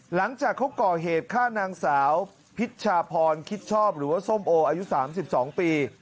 หลังจากเขาก่อเหตุฆ่านางสาวพิชชาพรคิดชอบหรือว่าส้มโออายุ๓๒ปี